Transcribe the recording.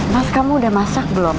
maaf kamu udah masak belum